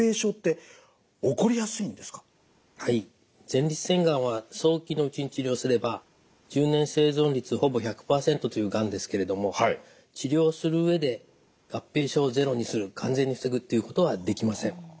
前立腺がんは早期のうちに治療すれば１０年生存率ほぼ１００％というがんですけれども治療する上で合併症をゼロにする完全に防ぐっていうことはできません。